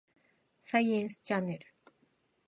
サイエンスチャンネル